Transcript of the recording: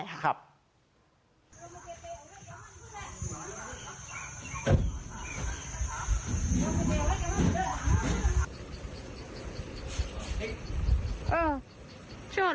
เออชอบเลย